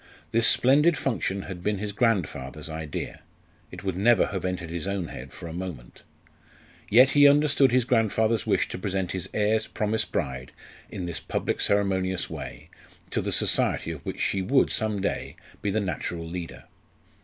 This splendid function had been his grandfather's idea; it would never have entered his own head for a moment. Yet he understood his grandfather's wish to present his heir's promised bride in this public ceremonious way to the society of which she would some day be the natural leader.